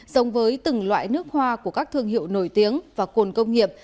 giống với từng loại nước hoa của các thương hiệu nổi tiếng và cồn công nghiệp